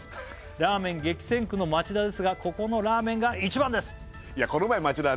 「ラーメン激戦区の町田ですがここのラーメンが１番です」